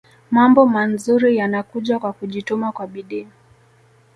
Mambo manzuri yanakuja kwa kujituma kwa bidii